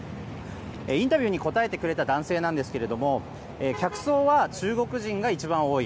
インタビューに答えてくれた男性なんですが客層は中国人が一番多い。